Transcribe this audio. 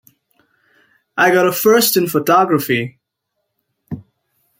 I got a first in photography!